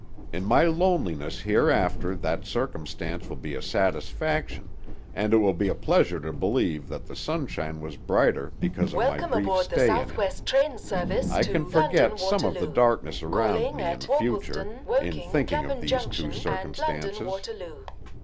In my loneliness hereafter that circumstance will be a satisfaction, and it will be a pleasure to believe that the sunshine was brighter because of my brief stay in it. I can forget some of the darkness around me in future, in thinking of these two circumstances."